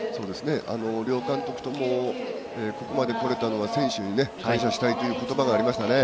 両監督ともここまで来れたのは選手に感謝したいという言葉がありましたね。